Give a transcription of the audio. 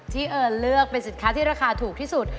เอิญเลือกเป็นสินค้าที่ราคาถูกที่สุด